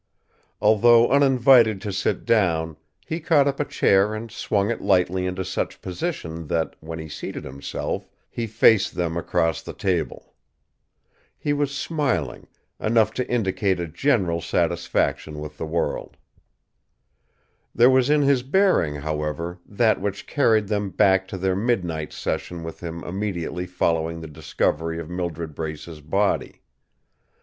Although uninvited to sit down, he caught up a chair and swung it lightly into such position that, when he seated himself, he faced them across the table. He was smiling, enough to indicate a general satisfaction with the world. There was in his bearing, however, that which carried them back to their midnight session with him immediately following the discovery of Mildred Brace's body.